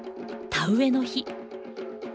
田植えの日。